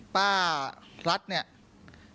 ป้ารัฐเนี่ย